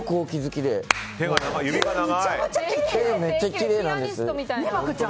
めっちゃきれいなんです。